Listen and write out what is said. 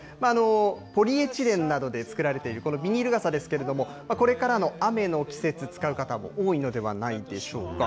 ポリエチレンなどで作られているこのビニール傘ですけれども、これからの雨の季節、使う方も多いのではないでしょうか。